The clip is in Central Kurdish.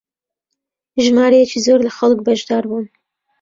ژمارەیەکی زۆر لە خەڵک بەشدار بوون